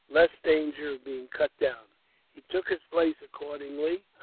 261 danger of being cut down. He took his place accordingly.